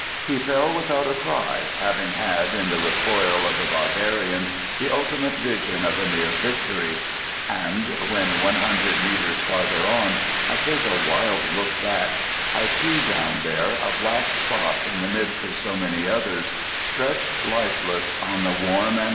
He fell without , th CTy i . aving had ' m the r eco>l of the barbarians, j the ultimate vision of a near victory; and when, one \ Jundred meters farther on, I take a wild look back, j t see down there a black spot in the midst of so 1 many others, stretched lifeless, on the warm and